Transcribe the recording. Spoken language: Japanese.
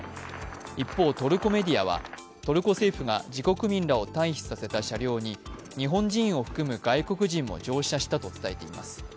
一方、トルコメディアはトルコ政府が自国民らを退避させた車両に日本人を含む外国人も乗車したと伝えています。